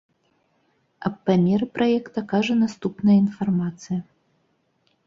Аб памеры праекта кажа наступная інфармацыя.